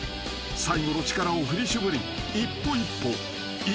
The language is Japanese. ［最後の力を振り絞り一歩一歩一階一階